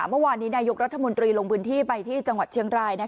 เมื่อวานนี้นายกรัฐมนตรีลงพื้นที่ไปที่จังหวัดเชียงราย